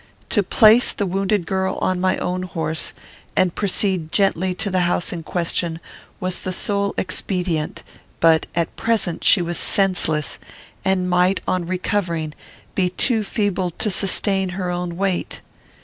To place the wounded girl on my own horse, and proceed gently to the house in question, was the sole expedient; but, at present, she was senseless, and might, on recovering, be too feeble to sustain her own weight.